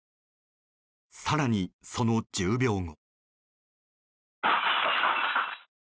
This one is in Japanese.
更に、その１０秒後。